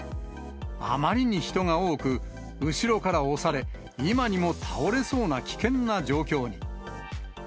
あまりに人が多く、後ろから押され、今にも倒れそうな危険な状況に。